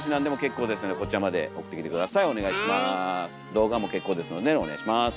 動画も結構ですのでねお願いします。